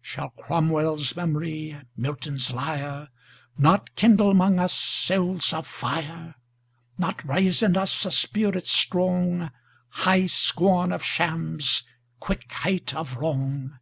Shall Cromwell's memory, Milton's lyre, Not kindle 'mong us souls of fire, Not raise in us a spirit strong—High scorn of shams, quick hate of wrong?